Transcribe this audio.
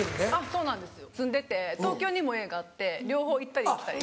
そうなんです住んでて東京にも家があって両方行ったり来たり。